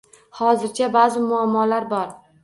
Hozircha ba'zi muammolar bor